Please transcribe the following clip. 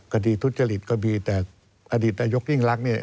คดีทุจริตก็มีแต่อดีตนายกยิ่งรักเนี่ย